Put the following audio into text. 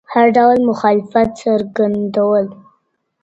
هر ډول مخالفت څرګندول ,